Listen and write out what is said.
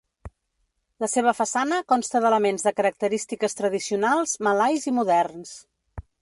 La seva façana consta d'elements de característiques tradicionals malais i moderns.